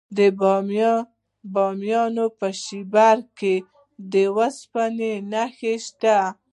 د بامیان په شیبر کې د وسپنې نښې شته.